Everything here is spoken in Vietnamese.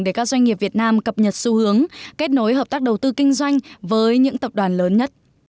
để các doanh nghiệp việt nam cập nhật xu hướng kết nối hợp tác đầu tư kinh doanh với những tập đoàn lớn nhất